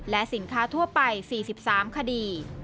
และสินค้าทั่วไป๔๓คดี